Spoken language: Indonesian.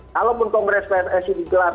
kalaupun kongres pssi digelar